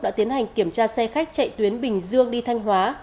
đã tiến hành kiểm tra xe khách chạy tuyến bình dương đi thanh hóa